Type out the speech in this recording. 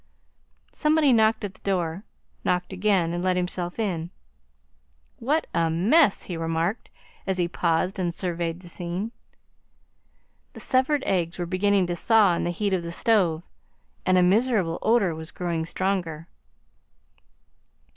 Somebody knocked at the door, knocked again, and let himself in. "What a mess!" he remarked, as he paused and surveyed the scene. The severed eggs were beginning to thaw in the heat of the stove, and a miserable odour was growing stronger.